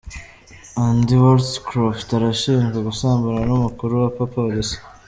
Andy Wolstencroft arashinjwa gusambana n’umukuru w’abapolisi.